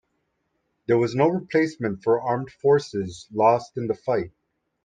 There was no replacement for armed forces lost in the fight.